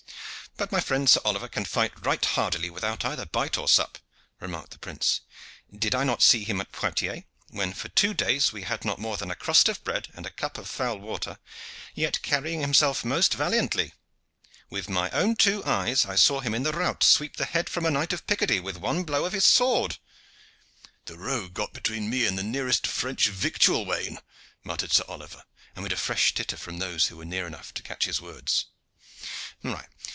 "But my friend Sir Oliver can fight right hardily without either bite or sup," remarked the prince. "Did I not see him at Poictiers, when for two days we had not more than a crust of bread and a cup of foul water, yet carrying himself most valiantly. With my own eyes I saw him in the rout sweep the head from a knight of Picardy with one blow of his sword." "The rogue got between me and the nearest French victual wain," muttered Sir Oliver, amid a fresh titter from those who were near enough to catch his words.